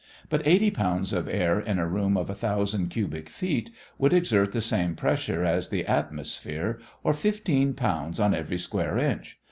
But 80 pounds of air in a room of a thousand cubic feet would exert the same pressure as the atmosphere, or 15 pounds on every square inch.